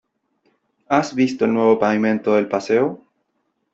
¿Has visto el nuevo pavimento del paseo?